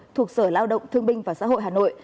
thuộc sở lao động thương binh và xã hội hà nội